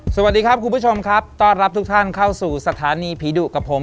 สวัสดีครับคุณผู้ชมครับต้อนรับทุกท่านเข้าสู่สถานีผีดุกับผม